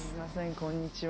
こんにちは。